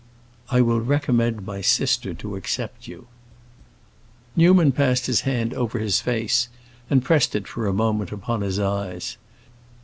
"I will recommend my sister to accept you." Newman passed his hand over his face, and pressed it for a moment upon his eyes.